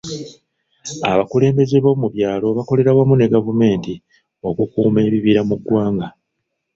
Abakulembeze b'omu byalo bakolera wamu ne gavumenti okukuuma ebibira mu ggwanga.